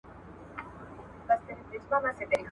قلندر ويله هلته بيزووانه